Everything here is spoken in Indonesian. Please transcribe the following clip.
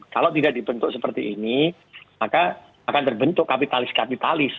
kalau tidak dibentuk seperti ini maka akan terbentuk kapitalis kapitalis